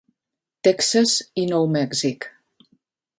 Texas i Nou Mèxic.